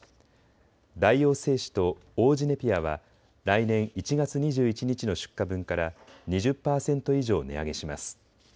大王製紙と王子ネピアは来年１月２１日の出荷分から２０％以上、値上げします。